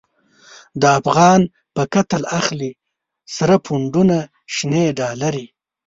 د افغان په قتل اخلی، سره پو نډونه شنی ډالری